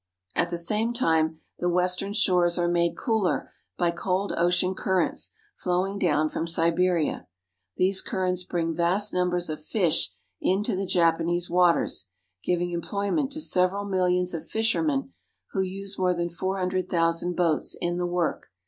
At the same time the western shores are made cooler by cold ocean currents flowing down from Siberia. These currents bring vast numbers pf fish into the Japanese waters, giving employment to several millions of fishermen, who use more than four hundred thousand boats in the work.